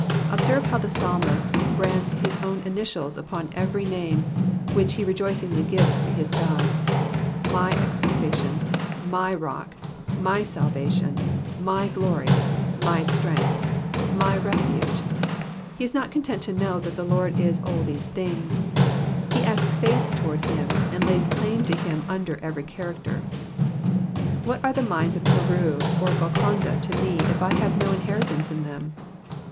Observe how the psalmist brands his own initials upon every name which he rejoicingly gives to his God — my expectation, my rock, my salvation, my glory, my strength, my refuge ; he is not content to know that the Lord is all these things ; he acts faith towards him, and lays claim to him under every character. What are the mines of Peru or Golconda to me if I have no inheritance in them